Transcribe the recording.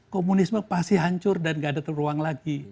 komunisme pasti hancur dan nggak ada ruang lagi